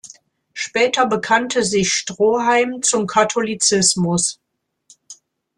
Später bekannte sich Stroheim zum Katholizismus.